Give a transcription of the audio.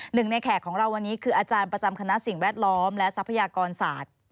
ในแขกของเราวันนี้คืออาจารย์ประจำคณะสิ่งแวดล้อมและทรัพยากรศาสตร์